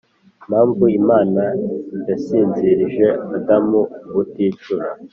mpamvu imana yasinzirije adamu ubuticura,